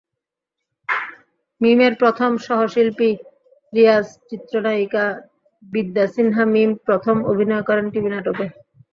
মিমের প্রথম সহশিল্পী রিয়াজচিত্রনায়িকা বিদ্যা সিনহা মিম প্রথম অভিনয় করেন টিভি নাটকে।